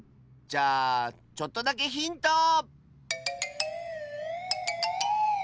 じゃあちょっとだけヒント！